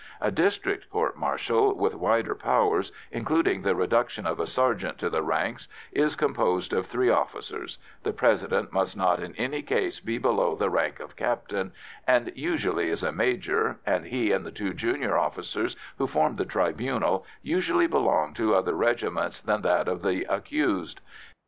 A district court martial, with wider powers, including the reduction of a sergeant to the ranks, is composed of three officers; the president must not in any case be below the rank of captain, and usually is a major, and he and the two junior officers who form the tribunal usually belong to other regiments than that of the accused.